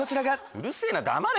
うるせぇな黙れ！